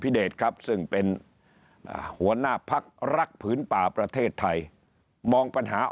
เดชครับซึ่งเป็นหัวหน้าพักรักผืนป่าประเทศไทยมองปัญหา